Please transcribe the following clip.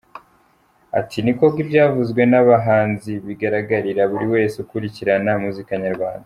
Ati:”Ni koko ibyavuzwe n’abahanzi bigaragarira buri wese ukurikirana muzika nyarwanda.